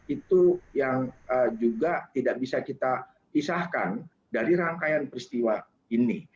itu yang juga tidak bisa kita pisahkan dari rangkaian peristiwa ini